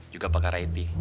juga pakar it